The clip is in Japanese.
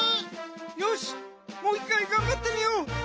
よしもういっかいがんばってみよう。